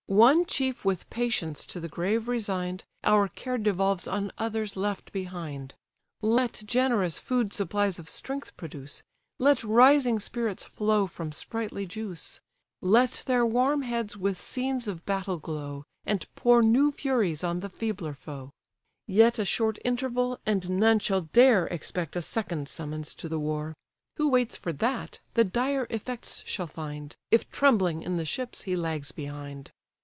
One chief with patience to the grave resign'd, Our care devolves on others left behind. Let generous food supplies of strength produce, Let rising spirits flow from sprightly juice, Let their warm heads with scenes of battle glow, And pour new furies on the feebler foe. Yet a short interval, and none shall dare Expect a second summons to the war; Who waits for that, the dire effects shall find, If trembling in the ships he lags behind.